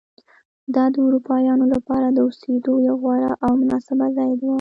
دا د اروپایانو لپاره د اوسېدو یو غوره او مناسب ځای و.